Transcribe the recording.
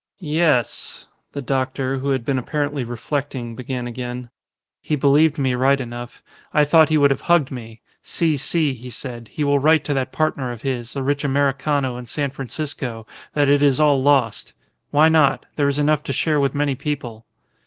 "Yes," the doctor, who had been apparently reflecting, began again, "he believed me right enough. I thought he would have hugged me. 'Si, si,' he said, 'he will write to that partner of his, the rich Americano in San Francisco, that it is all lost. Why not? There is enough to share with many people.